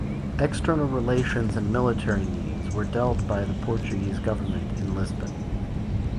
External relations and military needs were dealt by the Portuguese government in Lisbon.